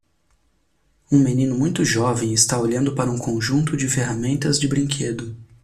Um menino muito jovem está olhando para um conjunto de ferramentas de brinquedo.